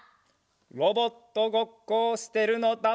ロボットごっこをしてるのだ。